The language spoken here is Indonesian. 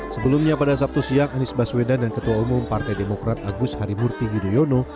sebelumnya pada sabtu siang anies baswedan dan ketua umum partai demokrat agus harimurti yudhoyono